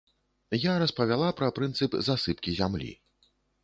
Я распавяла пра прынцып засыпкі зямлі.